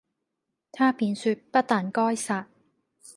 他便説不但該殺，